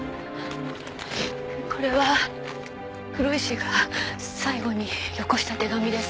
これは黒石が最後によこした手紙です。